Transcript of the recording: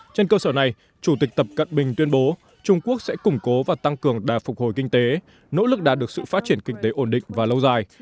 trên cơ sở này chủ tịch tập cận bình tuyên bố trung quốc sẽ củng cố và tăng cường đà phục hồi kinh tế nỗ lực đạt được sự phát triển kinh tế ổn định và lâu dài